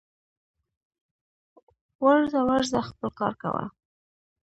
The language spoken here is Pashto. ورځه ورځه خپل کار کوه